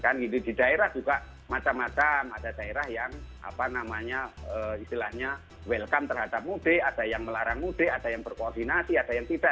kan gitu di daerah juga macam macam ada daerah yang apa namanya istilahnya welcome terhadap mudik ada yang melarang mudik ada yang berkoordinasi ada yang tidak